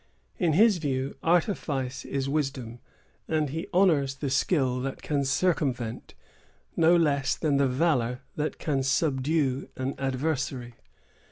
In his view, artifice is wisdom; and he honors the skill that can circumvent, no less than the valor that can subdue, an adversary.